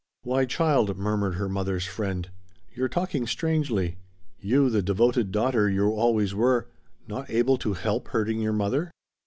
"Why, child!" murmured her mother's friend. "You're talking strangely. You the devoted daughter you always were not able to 'help' hurting your mother?"